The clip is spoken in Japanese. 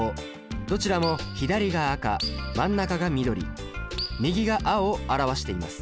どちらも左が赤真ん中が緑右が青を表しています。